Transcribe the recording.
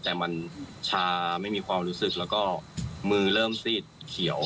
แต่มันชาไม่มีความรู้สึกแล้วก็มือเริ่มซีดเขียว